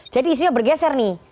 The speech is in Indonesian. jadi isunya bergeser nih